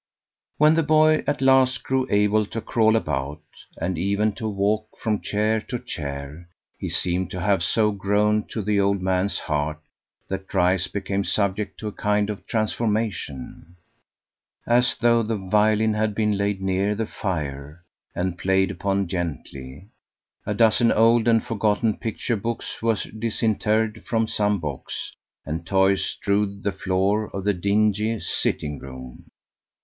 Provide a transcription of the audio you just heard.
When the boy at last grew able to crawl about, and even to walk from chair to chair, he seemed to have so grown to the old man's heart that Dryce became subject to a kind of transformation. His laugh grew more mellow, as though the violin had been laid near the fire, and played upon gently; a dozen old and forgotten picture books were disinterred from some box, and toys strewed the floor of the dingy sitting room.